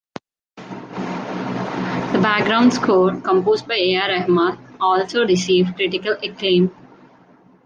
The background score composed by A. R. Rahman also received critical acclaim.